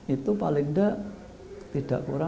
itu paling tidak tidak kurang